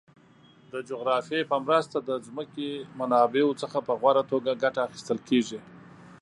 د جغرافیه په مرسته د ځمکې منابعو څخه په غوره توګه ګټه اخیستل کیږي.